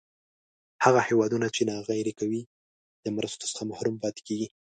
هغه هېوادونه چې ناغیړي کوي د مرستو څخه محروم پاتې کیږي.